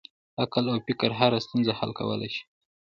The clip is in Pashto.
عقل او فکر هره ستونزه حل کولی شي.